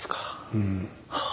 うん。